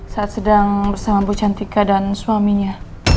saat sedang bersama bu cantika dan suaminya